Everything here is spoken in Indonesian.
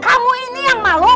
kamu ini yang malu